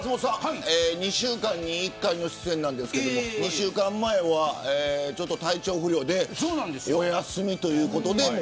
２週間に１回の出演なんですが２週間前は体調不良でお休みということで。